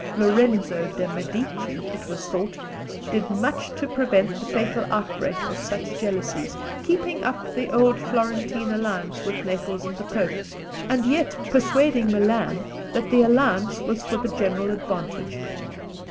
Lorenzo de' Medici, it was thought, did much to prevent the fatal outbreak of such jealousies, keeping up the old Florentine alliance with Naples and the Pope, and yet persuading Milan that the alliance was for the general advantage.